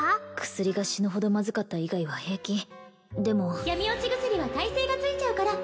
薬が死ぬほどまずかった以外は平気でも闇堕ち薬は耐性がついちゃうから